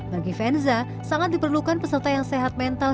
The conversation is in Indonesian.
bagi venza sangat diperlukan peserta yang sehat mental